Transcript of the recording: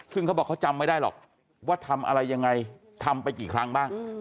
ซึ่งเขาบอกเขาจำไม่ได้หรอกว่าทำอะไรยังไงทำไปกี่ครั้งบ้าง